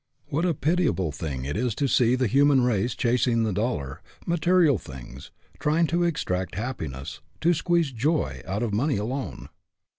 What a pitiable thing it is to see the human race chasing the dollar material things try ing to extract happiness, to squeeze joy, out of money alone!